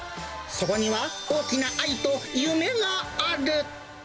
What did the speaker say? そこには大きな愛と夢がある。